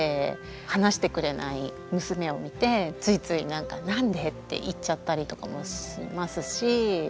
話してくれない娘を見てついついなんかなんでって言っちゃったりとかもしますし。